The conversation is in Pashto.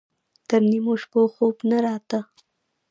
تر نيمو شپو خوب نه راته.